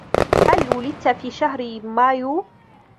هل ولدت في شهر مايو؟